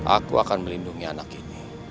aku akan melindungi anak ini